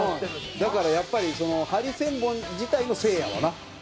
だからやっぱりハリセンボン自体のせいやわな。